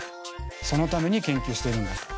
そのために研究してるんだと。